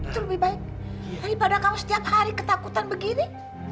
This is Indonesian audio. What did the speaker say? itu lebih baik daripada kamu setiap hari ketakutan begini